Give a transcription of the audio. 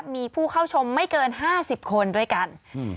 มีผู้เข้าชมไม่เกิน๕๐คนด้วยกัน